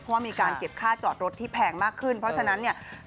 เพราะว่ามีการเก็บค่าจอดรถที่แพงมากขึ้นเพราะฉะนั้นเนี่ย